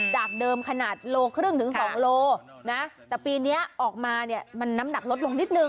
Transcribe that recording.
จากเดิมขนาดโลครึ่งถึง๒โลนะแต่ปีนี้ออกมาเนี่ยมันน้ำหนักลดลงนิดนึ